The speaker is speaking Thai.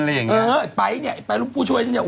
เออไอ้ปร๊าทิเนี่ยไปรุ่งผู้ช่วยเนี่ย